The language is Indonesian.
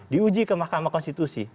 diuji ke mahkamah konstitusi